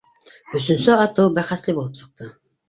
Өсөнсө атыу бәхәсле булып сыҡты.